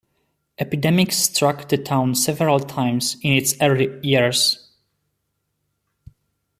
Epidemics struck the town several times in its early years.